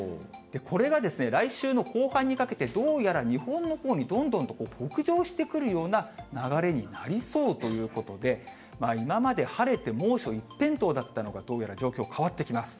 これが来週の後半にかけて、どうやら日本のほうにどんどんと北上してくるような流れになりそうということで、今まで晴れて猛暑一辺倒だったのが、どうやら状況、変わってきます。